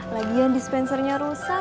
lagian dispensernya rusak